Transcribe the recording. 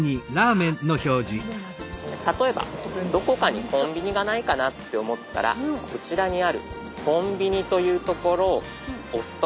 例えばどこかにコンビニがないかなって思ったらこちらにある「コンビニ」という所を押すと。